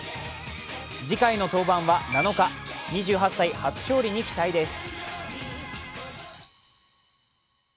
次回の登板は７日、２８歳、初勝利に期待です。